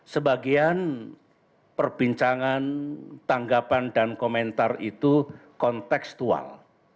sebagian perbincangan tanggapan dan komentar itu kontekstual